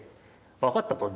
分かったと。